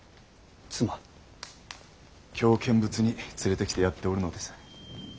京見物に連れてきてやっておるのです。